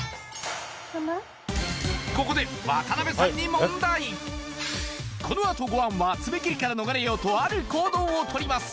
ここでこのあと五庵は爪切りから逃れようとある行動をとります